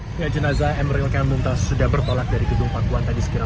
hai ya jenazah emril kandung tas sudah bertolak dari gedung panggung tadi sekitar